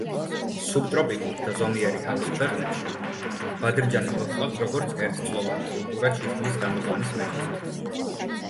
სუბტროპიკულ და ზომიერი ჰავის ქვეყნებში ბადრიჯანი მოჰყავთ როგორც ერთწლოვანი კულტურა ჩითილის გამოყვანის მეთოდით.